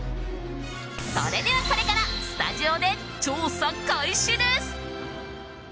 それでは、これからスタジオで調査開始です。